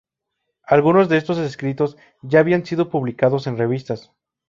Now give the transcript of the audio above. Algunos de estos escritos ya habían sido publicados en revistas.